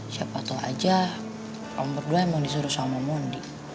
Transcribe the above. siapa tau aja om berdua emang disuruh sama mondi